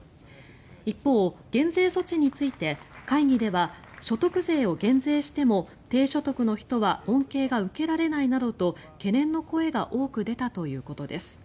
一方、減税措置について会議では所得税を減税しても低所得の人は恩恵が受けられないなどと懸念の声が多く出たということです。